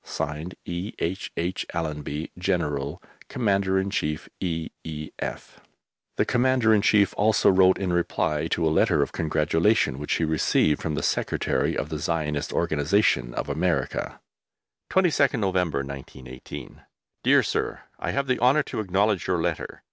(Signed) E. H. H. ALLENBY, General, Commander in Chief, E.E.F. The Commander in Chief also wrote in reply to a letter of congratulation which he received from the Secretary of the Zionist Organization of America: 22D NOVEMBER, 1918. DEAR SIR, I have the honour to acknowledge your letter....